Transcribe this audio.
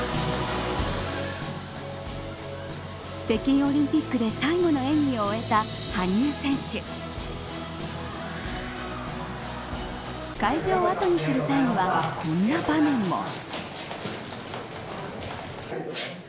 北京オリンピックで最後の演技を終えた羽生選手会場を後にする際にはこんな場面も。